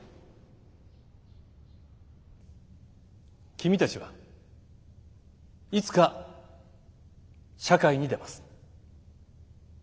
君たちはいつか社会に出ます。